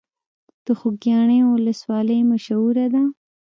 د خوږیاڼیو ولسوالۍ مشهوره ده